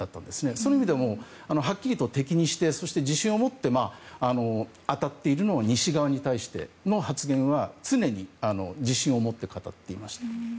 そういう意味でもはっきりと敵にしてそして自信を持って当たっているのは西側に対しての発言は常に自信を持って語っていました。